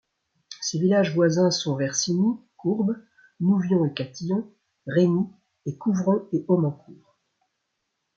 Ses villages voisins sont Versigny, Courbes, Nouvion-et-Catillon, Remies et Couvron-et-Aumencourt.